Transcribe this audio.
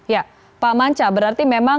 ya pak manca berarti memang